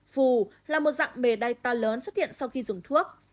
phù là một dạng bề đai to lớn xuất hiện sau khi dùng thuốc